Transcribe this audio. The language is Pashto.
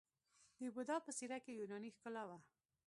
د بودا په څیره کې یوناني ښکلا وه